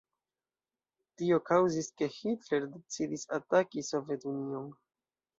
Tio kaŭzis ke Hitler decidis ataki Sovetunion.